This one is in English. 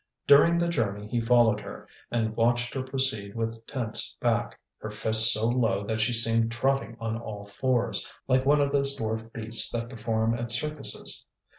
During the journey he followed her and watched her proceed with tense back, her fists so low that she seemed trotting on all fours, like one of those dwarf beasts that perform at circuses.